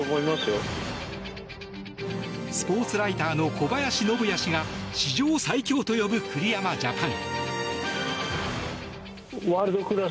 スポーツライターの小林信也氏が史上最強と呼ぶ栗山ジャパン。